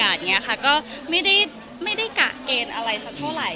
อย่างเงี้ยค่ะก็ไม่ได้กะเอ็นอะไรสักเท่าไหร่